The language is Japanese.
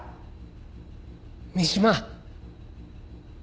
三島。